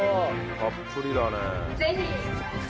たっぷりだね。